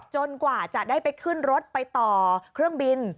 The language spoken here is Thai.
กว่าจะได้ไปขึ้นรถไปต่อเครื่องบิน